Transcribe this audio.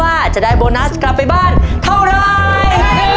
ว่าจะได้โบนัสกลับไปบ้านเท่าไร